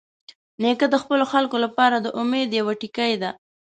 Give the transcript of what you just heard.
نیکه د خپلو خلکو لپاره د امید یوه ټکۍ ده.